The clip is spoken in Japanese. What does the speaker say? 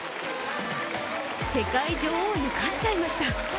世界女王に勝っちゃいました。